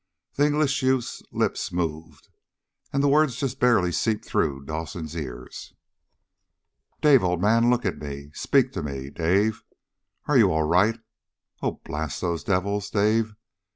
The English youth's lips moved, and the words just barely seeped through Dawson's ears. "Dave, old man, look at me! Speak to me, Dave! Are you all right? Oh, blast those devils! Dave!